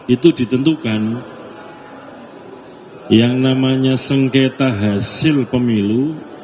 itu ditentukan yang namanya sengketa hasil pemilu